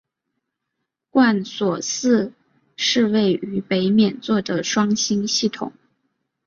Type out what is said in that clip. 贯索四是位于北冕座的双星系统。